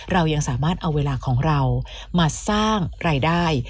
เรายังสามารถเอาเวลาของเรามาสร้างรายได้